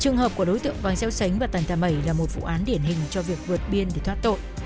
trường hợp của đối tượng vàng xeo sánh và tần tà mẩy là một vụ án điển hình cho việc vượt biên để thoát tội